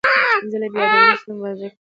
زه له بې عدالتیو سره مبارزه کوم.